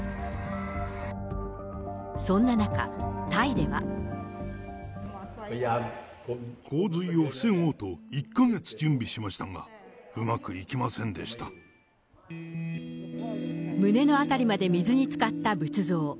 そんな中、タイでは。洪水を防ごうと、１か月準備しましたが、うまくいきませんで胸の辺りまで水につかった仏像。